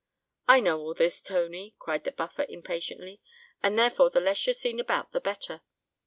"I know all this, Tony," cried the Buffer, impatiently; "and therefore the less you're seen about, the better.